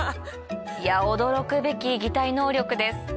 驚くべき擬態能力です